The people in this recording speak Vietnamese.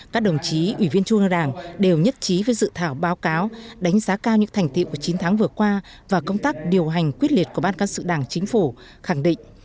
các đồng chí ủy viên trung ương đảng đều nhất trí với dự thảo báo cáo đánh giá cao những thành tiệu của chín tháng vừa qua và công tác điều hành quyết liệt của ban cán sự đảng chính phủ khẳng định